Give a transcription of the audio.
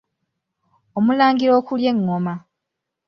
Omulangira okulya engoma.